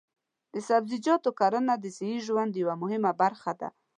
د سبزیجاتو کرنه د صحي ژوند یوه مهمه برخه ده.